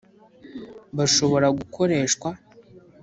bashobora gukoreshwa